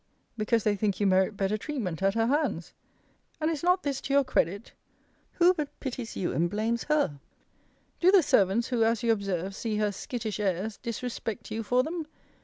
because they think you merit better treatment at her hands: And is not this to your credit? Who but pities you, and blames he? Do the servants, who, as you observe, see her skittish airs, disrespect you for them?